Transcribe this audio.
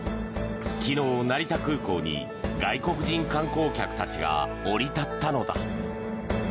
昨日、成田空港に外国人観光客たちが降り立ったのだ。